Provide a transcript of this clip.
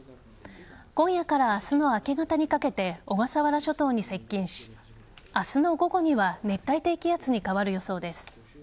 今夜から明日の明け方にかけて小笠原諸島に接近し明日の午後には熱帯低気圧に変わる予想です。